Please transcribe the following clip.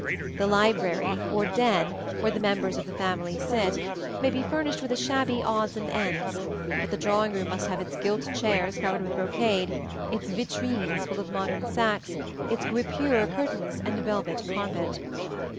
The library, or den, where the members of the family sit, may be furnished with shabby odds and ends; but the drawing room must have its gilt chairs covered with brocade, its vitrines full of modern Saxe, its guipure curtains and velvet carpet.